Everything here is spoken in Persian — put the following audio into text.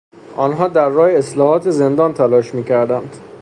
آنها در راه اصلاحات زندان تلاش میکردند.